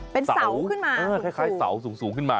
เป็นเสาขึ้นมา